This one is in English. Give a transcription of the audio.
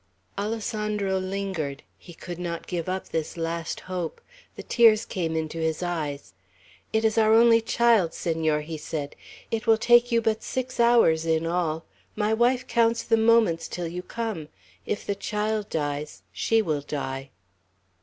Alessandro lingered. He could not give up this last hope. The tears came into his eyes. "It is our only child, Senor," he said. "It will take you but six hours in all. My wife counts the moments till you come! If the child dies, she will die."